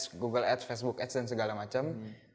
youtube ads google ads facebook ads dan segala macam